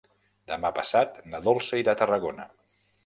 Demà passat na Dolça irà a Tarragona.